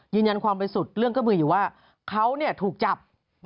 ยืนยันความบริสุทธิ์เรื่องก็มืออยู่ว่าเขาถูกจับ